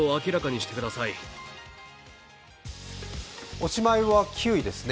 おしまいは９位ですね。